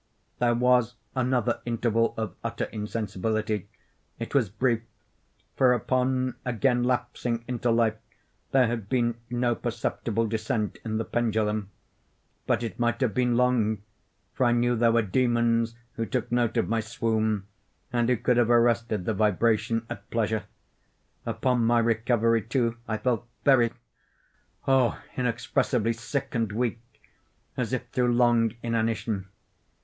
There was another interval of utter insensibility; it was brief; for, upon again lapsing into life there had been no perceptible descent in the pendulum. But it might have been long; for I knew there were demons who took note of my swoon, and who could have arrested the vibration at pleasure. Upon my recovery, too, I felt very—oh! inexpressibly—sick and weak, as if through long inanition.